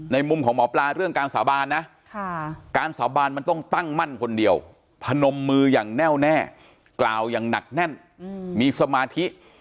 มุมของหมอปลาเรื่องการสาบานนะการสาบานมันต้องตั้งมั่นคนเดียวพนมมืออย่างแน่วแน่กล่าวอย่างหนักแน่นมีสมาธิ